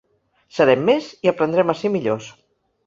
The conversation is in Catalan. Serem més i aprendrem a ser millors.